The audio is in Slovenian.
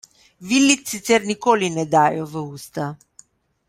Vilic sicer nikoli ne dajo v usta.